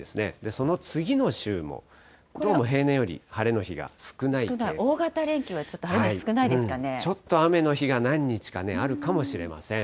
その次の週もどうも平年より晴れ大型連休はちょっと晴れも少ちょっと雨の日が何日かあるかもしれません。